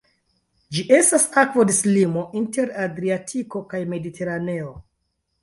Ĝi estas akvodislimo inter Adriatiko kaj Mediteraneo.